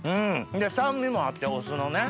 で酸味もあってお酢のね。